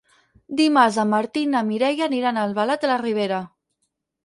Dimarts en Martí i na Mireia aniran a Albalat de la Ribera.